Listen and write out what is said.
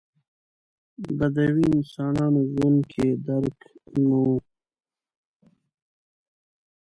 بدوي انسانانو ژوند کې درک نه و.